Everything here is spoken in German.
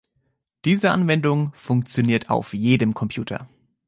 Diese Anwendung funktioniert auf jedem Computer.